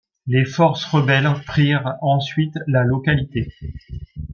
Les forces rebelles prirent ensuite la localité.